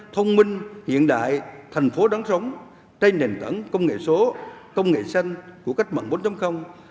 thông minh hiện đại thành phố đáng sống tây nền tẩn công nghệ số công nghệ xanh của cách mạnh bốn